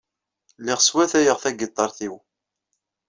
Lliɣ swatayeɣ tagiṭart-inu.